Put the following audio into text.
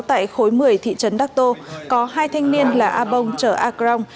tại khối một mươi thị trấn đắc tô có hai thanh niên là a bông chở a crong